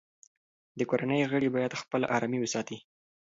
د کورنۍ غړي باید خپله ارامي وساتي.